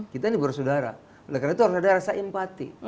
kita ini bersaudara oleh karena itu harus ada rasa empati